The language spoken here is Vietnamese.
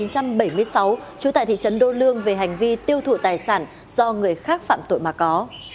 trú tại thị trấn đô lương về hành vi tiêu thụ tài sản do người khác phạm tội mà có